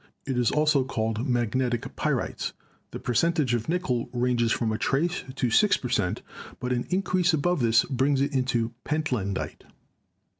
It is also called Magnetic Pyrites. The percentage of nickel ranges from a trace to 6 per cent, but an increase above this brings it into Pentlandite.